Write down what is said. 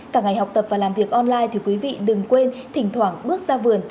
cả ngày học tập và làm việc online thì quý vị đừng quên thỉnh thoảng bước ra vườn